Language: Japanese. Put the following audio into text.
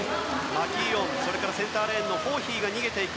マキーオンやシボーン・ホーヒーが逃げていく。